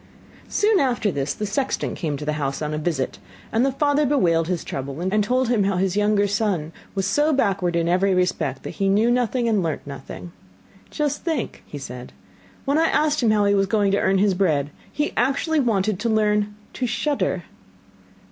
Soon after this the sexton came to the house on a visit, and the father bewailed his trouble, and told him how his younger son was so backward in every respect that he knew nothing and learnt nothing. 'Just think,' said he, 'when I asked him how he was going to earn his bread, he actually wanted to learn to shudder.